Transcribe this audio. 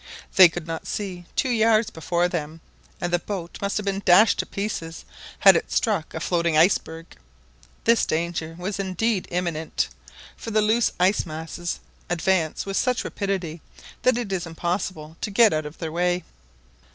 They could not see two yards before them, and the boat must have been dashed to pieces had it struck a floating iceberg. This danger was indeed imminent, for the loose ice masses advance with such rapidity that it is impossible to get out of their way.